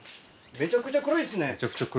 めちゃくちゃ暗いですね。